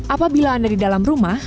apabila anda di dalam rumah